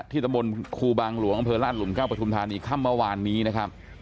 ที่ตะบนครูบังหลวงเผลอร่านหลุมเก้าประทุมฐานีค่ำมาวานนี้นะครับ